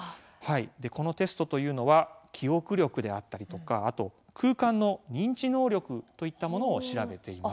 このテストというのは記憶力であったりとかあと空間の認知能力といったものを調べています。